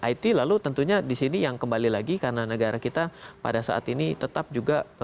it lalu tentunya disini yang kembali lagi karena negara kita pada saat ini tetap juga